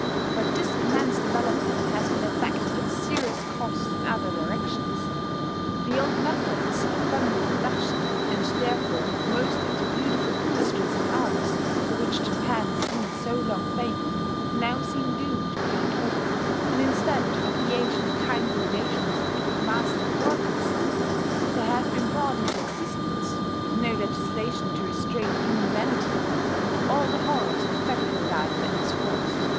But this immense development has been effected at serious cost in other directions. The old methods of family production and therefore most of the beautiful industries and arts, for which Japan has been so long famed now seem doomed beyond hope; and instead of the ancient kindly relations between master and workers, there have been brought into existence with no legislation to restrain inhumanity all the horrors of factory life at its worst.